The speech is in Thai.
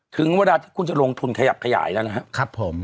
ถึงเวลาที่คุณจะลงทุนขยับขยายแล้วนะครับผม